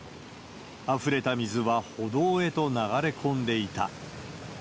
あふれた水は歩道へと流れ込んでいた。